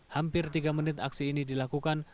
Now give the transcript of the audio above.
hampir tiga menit aksi ini dilakukan